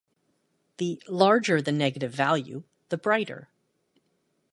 The 'larger' the negative value, the brighter.